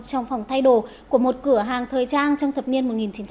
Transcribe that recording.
trong phòng thay đồ của một cửa hàng thời trang trong thập niên một nghìn chín trăm bảy mươi